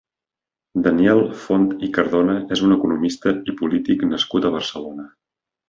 Daniel Font i Cardona és un economista i polític nascut a Barcelona.